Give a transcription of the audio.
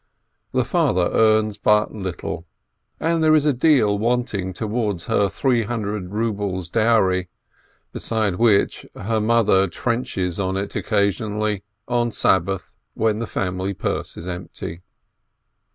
The father earns but little, and there is a deal wanting towards her three hundred rubles dowry, beside which her mother trenches on it occasionally, on Sabbath, when the family purse is empty.